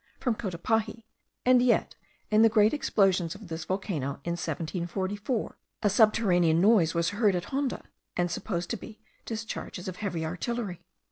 from Cotopaxi; and yet, in the great explosions of this volcano, in 1744, a subterranean noise was heard at Honda, and supposed to be discharges of heavy artillery.